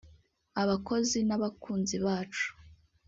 abakozi n’abakunzi bacu